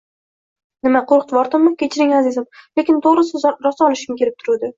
Nima? Qoʻrqitvordimmi? Kechiring, azizim, lekin, toʻgʻrisi, rosa olishgim kelib turibdi.